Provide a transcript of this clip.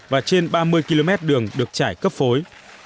và trên ba mươi km đường được trải cấp phối